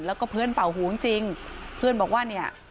แล้วก็เพื่อนเป่าหูจริงจริงเพื่อนบอกว่าเนี่ย